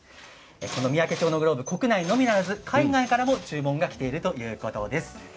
三宅町のグローブ国内のみならず海外からも注文がきているということでした。